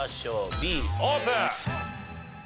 Ｂオープン。